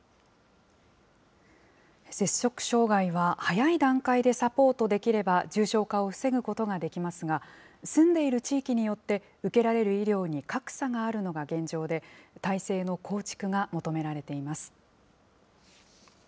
摂食障害は早い段階でサポートできれば、重症化を防ぐことができますが、住んでいる地域によって、受けられる医療に格差があるのが現状で、体制の構築が求められています。